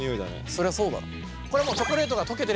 そりゃそうだろ。